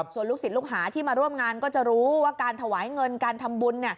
ส่วนลูกศิษย์ลูกหาที่มาร่วมงานก็จะรู้ว่าการถวายเงินการทำบุญ